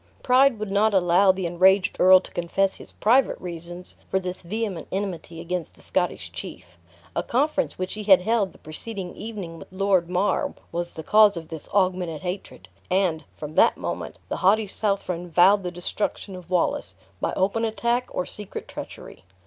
Pride would not allow the enraged earl to confess his private reasons for this vehement enmity against the Scottish chief. A conference which he had held the preceding evening with Lord Mar, was the cause of this augmented hatred; and, from that moment, the haughty Southron vowed the destruction of Wallace, by open attack, or secret treachery.